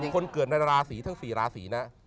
คนเกิดในราศีทั้ง๔ราศีนะ